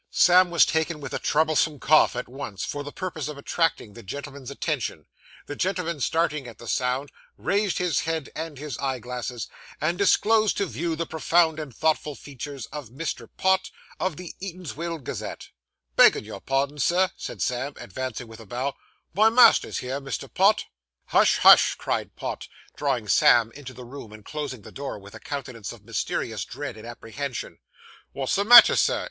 Sam was taken with a troublesome cough, at once, for the purpose of attracting the gentleman's attention; the gentleman starting at the sound, raised his head and his eyeglass, and disclosed to view the profound and thoughtful features of Mr. Pott, of the Eatanswill Gazette. 'Beggin' your pardon, sir,' said Sam, advancing with a bow, 'my master's here, Mr. Pott.' 'Hush! hush!' cried Pott, drawing Sam into the room, and closing the door, with a countenance of mysterious dread and apprehension. 'Wot's the matter, Sir?